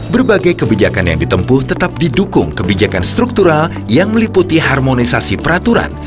berbagai kebijakan yang ditempuh tetap didukung kebijakan struktural yang meliputi harmonisasi peraturan